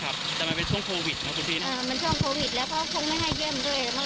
ค่ะครับแต่มันเป็นช่วงโควิดนะคุณพี่น้องเอ่อมันช่วงโควิดแล้วก็คงไม่ให้เยี่ยมด้วย